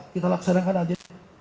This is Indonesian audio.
kita laksanakan saja